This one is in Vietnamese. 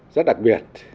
rất đặc biệt